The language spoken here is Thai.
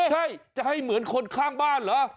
ใช่จะให้เหมือนคนข้างบ้านเหรอ